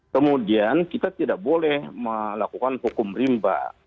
kemudian kita tidak boleh melakukan hukum rimba